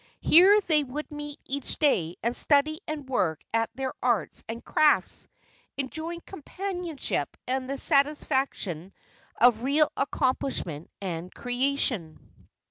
Here they would meet each day and study and work at their arts and crafts, enjoying companionship and the satisfaction of real accomplishment and creation.